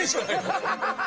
ハハハハハ！